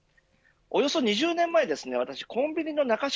およそ２０年前コンビニの中食